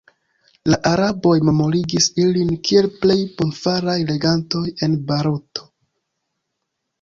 La araboj memorigis ilin kiel plej bonfaraj regantoj en Barato.